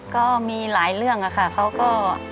ก็มีหลายเรื่องค่ะเขาก็